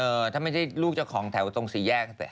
เออถ้าไม่ใช่ลูกเจ้าของแถวตรงสี่แยกก็เปลี่ยน